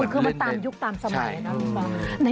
คือมันตามยุคตามสมัยนะ